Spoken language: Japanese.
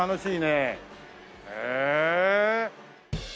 へえ。